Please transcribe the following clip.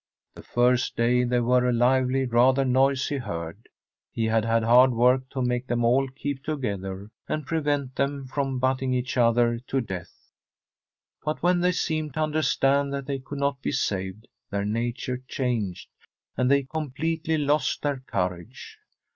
The first day they were a lively, rather noisy herd. He had had hard work to make them all keep together, and prevent them from butting each other to death. But when they seemed to understand that they could not be From a SfFEDISH HOMESTEAD saved their nature changed, and they completely lost their courage.